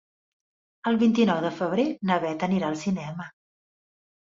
El vint-i-nou de febrer na Bet anirà al cinema.